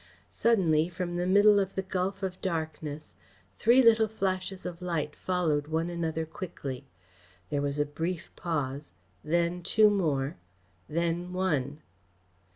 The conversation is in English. Suddenly, from the middle of the gulf of darkness, three little flashes of light followed one another quickly. There was a brief pause then two more then one.